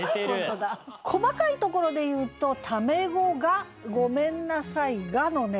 細かいところで言うと「タメ語が」「ごめんなさいが」のね